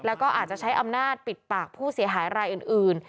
แล้วก็อาจจะใช้อำนาจปิดปากผู้เสียหายรายอื่น